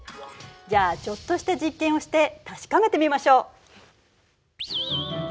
じゃあちょっとした実験をして確かめてみましょう。